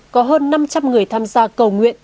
có hơn năm trăm linh người tham gia cầu nguyện